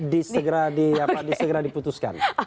di segera diputuskan